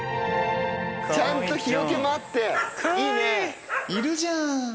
ちゃんと日よけもあって、いるじゃん。